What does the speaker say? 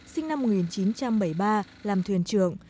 sinh năm một nghìn chín trăm bảy mươi ba làm thuyền trưởng